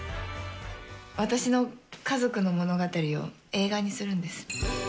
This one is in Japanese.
私の家族の物語を映画にするんです。